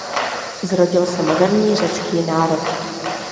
Zrodil se moderní řecký národ.